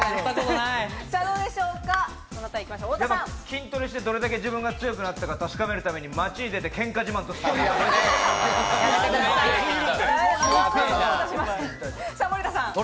筋トレして、どれだけ自分が強くなったか確かめるために街に出て、けんか自慢とストリートファイト。